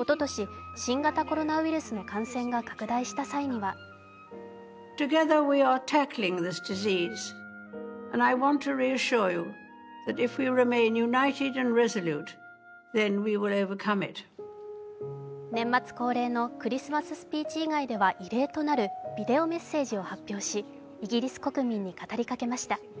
おととし、新型コロナウイルスの感染が拡大した際には年末恒例のクリスマススピーチ以来では異例となるビデオメッセージを発表しイギリス国民に語りかけました。